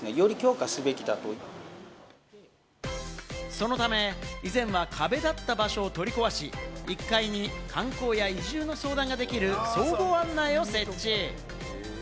そのため、以前は壁だった場所を取り壊し、１階に観光や移住の相談ができる総合案内を設置。